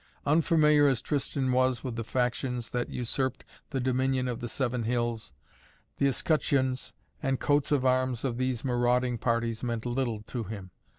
Unfamiliar as Tristan was with the factions that usurped the dominion of the Seven Hills, the escutcheons and coats of arms of these marauding parties meant little to him.